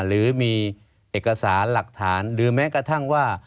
หรือมีเอกสารหลักฐานหรือแม้กระทั่งว่า